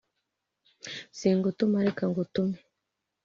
singutuma reka ngutume